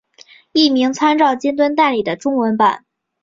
译名参照尖端代理的中文版。